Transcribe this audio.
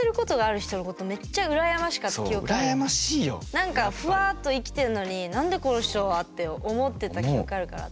なんかふわっと生きてるのになんで、この人は？って思ってた記憶あるから。